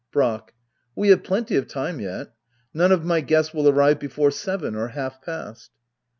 Brack. We have plenty of time yet. None of my guests will arrive before seven or half past.